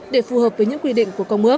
để phù hợp với những quy định của công ước